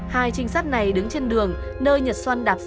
hai trinh sát này đứng trên đường nơi nhật xuân đạp